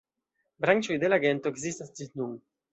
Branĉoj de la gento ekzistas ĝis nun.